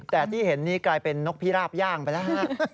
แต่ที่เห็นนี้กลายเป็นนกพิราบย่างไปแล้วฮะ